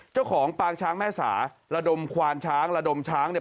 เจ้าของปางช้างแม่สาระดมควานช้างระดมช้างเนี่ย